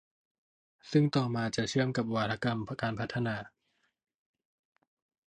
ซึ่งต่อมาจะเชื่อมกับวาทกรรมการพัฒนา